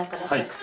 はい。